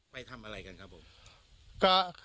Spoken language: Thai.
ไปทำอะไรกันครับผม